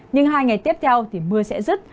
nhưng hai ngày tiếp theo thì mưa sẽ rứt